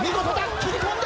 切り込んで。